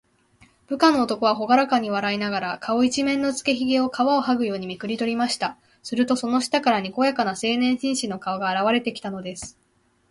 部下の男は、ほがらかに笑いながら、顔いちめんのつけひげを、皮をはぐようにめくりとりました。すると、その下から、にこやかな青年紳士の顔があらわれてきたのです。